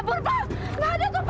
pa ana gak ada pak